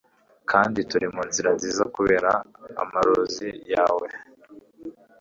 kandi turi munzira nziza kubera amarozi yawe